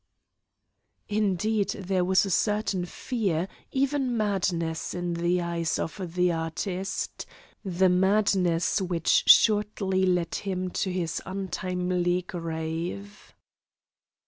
Indeed there was a certain fear, even madness, in the eyes of the artist the madness which shortly led him to his untimely grave.